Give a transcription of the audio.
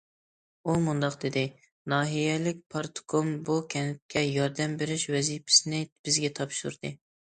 ئۇ مۇنداق دېدى: ناھىيەلىك پارتكوم بۇ كەنتكە ياردەم بېرىش ۋەزىپىسىنى بىزگە تاپشۇردى.